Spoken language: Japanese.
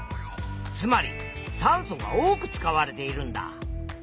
つまり酸素が多く使われているんだ！